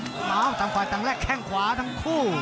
ตั้งฝ่ายและข้างฝ่ายทั้งแค่งขวาทั้งคู่